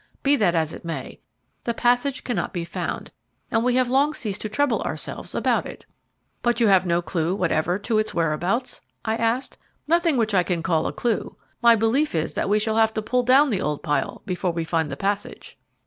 Be that as it may, the passage cannot be found, and we have long ceased to trouble ourselves about it." "But have you no clue whatever to its whereabouts?" I asked. "Nothing which I can call a clue. My belief is that we shall have to pull down the old pile before we find the passage."